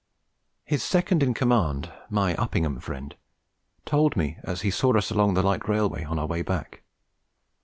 His second in command, my Uppingham friend, told me as he saw us along the light railway on our way back.